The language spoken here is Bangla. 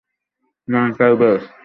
না, এটাই বেশ।